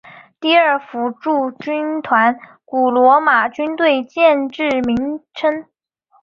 第二辅助军团古罗马军队建制名称。